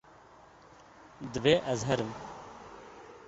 Divê ez herim.